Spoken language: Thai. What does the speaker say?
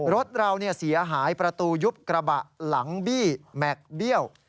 รถเราเสียหายประตูยุบกระบะหลังบี้แม็กซ์เบี้ยว